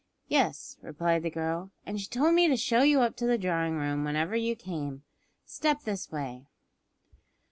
"Yes," replied the girl, "and she told me to show you up to the drawing room whenever you came. Step this way."